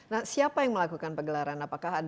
nah siapa yang melakukan pergelaran